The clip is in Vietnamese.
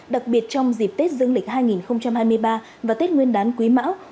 đặc biệt trong dịp tết dương lịch hai nghìn hai mươi ba và tết nguyên đán quý mão